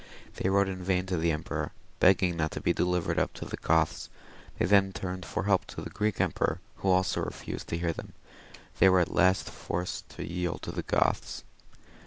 They wrote in vain to the emperor, begging not to be delivered up to the Goths; they then turned for help to the Greek emperor, who also refused to hear them ; they were at last forced to yield to the Goths.